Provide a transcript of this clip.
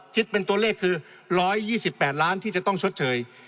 คิดเป็นตัวเลขคือ๑๒๘ล้านที่จะต้องชดเชย